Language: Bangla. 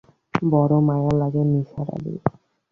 বড় মায়া লাগে নিসার আলির।